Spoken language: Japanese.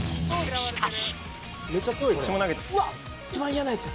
しかし。